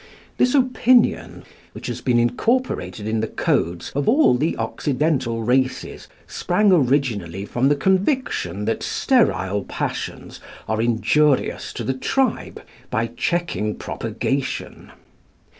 This opinion, which has been incorporated in the codes of all the Occidental races, sprang originally from the conviction that sterile passions are injurious to the tribe by checking propagation.